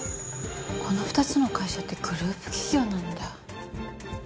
この２つの会社ってグループ企業なんだ。